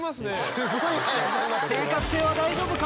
正確性は大丈夫か？